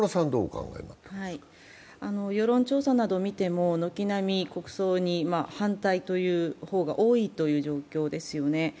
世論調査などを見ても軒並み国葬に反対という方が多いという状況ですよね。